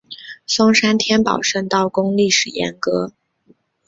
松山天宝圣道宫历史沿革